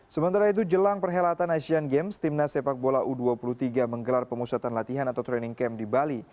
sementara itu jelang perhelatan asian games timnas sepak bola u dua puluh tiga menggelar pemusatan latihan atau training camp di bali